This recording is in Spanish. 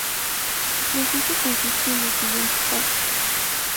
Su proceso consiste en los siguientes pasos.